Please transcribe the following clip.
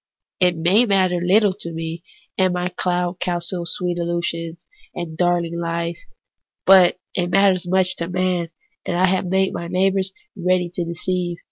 It may matter little to me, in my cloud castle of sweet illusions and darling lies ; but it matters much to Man that I have made my neighbours ready to deceive.